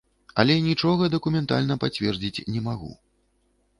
Але нічога дакументальна пацвердзіць не магу.